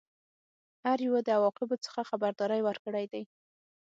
هر یوه د عواقبو څخه خبرداری ورکړی دی.